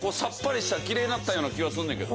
キレイになったような気はすんねんけど。